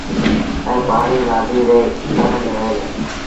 ائيٚݩ پآڻيٚ نآديٚ ري تر ميݩ وهي دو۔